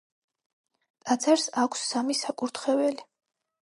ტაძარს აქვს სამი საკურთხეველი.